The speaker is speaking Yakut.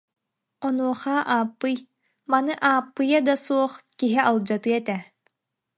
Онуоха Ааппый: «Маны Ааппыйа да суох киһи алдьатыа этэ»